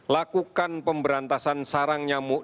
lakukan pemberantasan sarang nyamuk